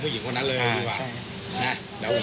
คือเราเคยเจอหน้าหรือชุดเคย